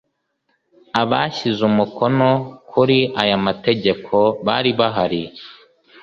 Abashyize umukono kuri aya mategeko bari bahari